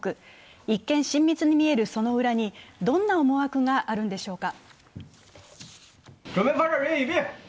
一見、親密に見えるその裏にどんな思惑があるんでしょうか？